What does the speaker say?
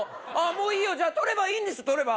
もういいよじゃあとればいいんでしょとれば！